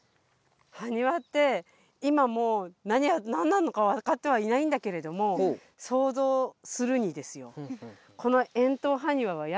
はにわって今も何なのかわかってはいないんだけれども想像するにですよ